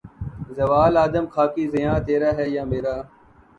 زوال آدم خاکی زیاں تیرا ہے یا میرا